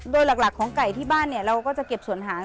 โดยหลักของไก่ที่บ้านเนี่ยเราก็จะเก็บส่วนหาง